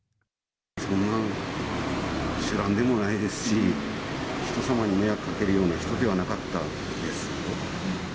そんな酒乱でもないですし、人様に迷惑かけるような人ではなかったです。